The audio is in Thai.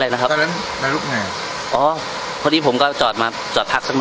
และอันดับสุดท้ายประเทศอเมริกา